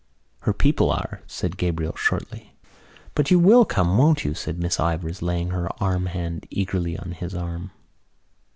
"Her people are," said Gabriel shortly. "But you will come, won't you?" said Miss Ivors, laying her warm hand eagerly on his arm.